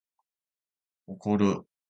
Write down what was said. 怒る